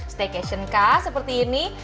staycation kah seperti ini